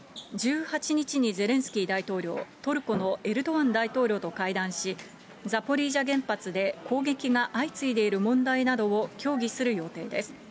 １８日にゼレンスキー大統領、トルコのエルドアン大統領と会談し、ザポリージャ原発で攻撃が相次いでいる問題などを協議する予定です。